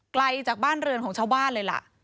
ไกลจากบ้านเรือนของชาวบ้านเลยล่ะ